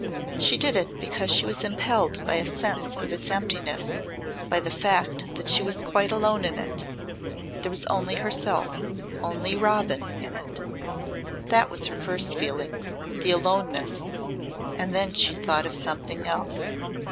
She did it because she was impelled by a sense of its emptiness by the fact that she was quite alone in it. There was only herself only Robin in it. That was her first feeling the aloneness and then she thought of something else.